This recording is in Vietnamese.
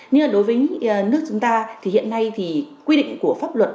nhưng mà đối với nước chúng ta thì hiện nay thì quy định của pháp luật